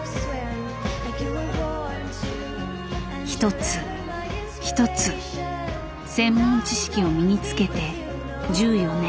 一つ一つ専門知識を身につけて１４年。